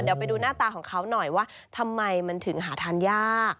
เดี๋ยวไปดูหน้าตาของเขาหน่อยว่าทำไมมันถึงหาทานยาก